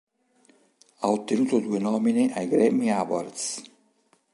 Ha ottenuto due nomine ai Grammy Awards.